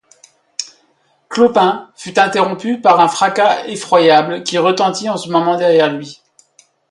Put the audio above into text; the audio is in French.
Clopin fut interrompu par un fracas effroyable qui retentit en ce moment derrière lui.